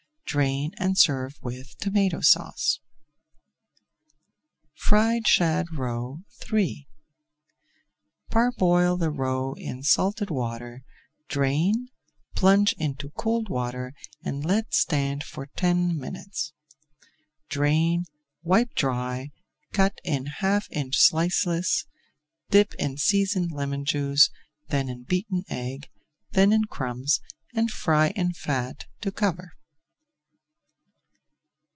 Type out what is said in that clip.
Drain, and serve with Tomato Sauce. FRIED SHAD ROE III Parboil the roe in salted water, drain, plunge into cold water, and let stand for ten minutes. Drain, wipe dry, cut in half inch slices, dip in seasoned lemon juice, then in beaten egg, then in crumbs, and fry in fat to cover.